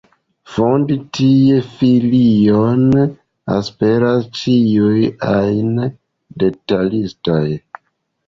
Fondi tie filion aspiras ĉiuj ajn detalistoj.